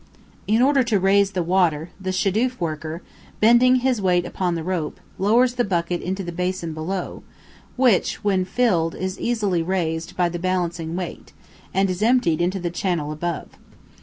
In order to raise the water, the shadūf worker, bending his weight upon the rope, lowers the bucket into the basin below, which, when filled, is easily raised by the balancing weight, and is emptied into the channel above.